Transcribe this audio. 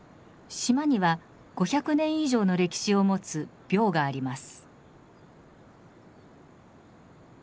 島には５００年以上の歴史を持つ廟があります。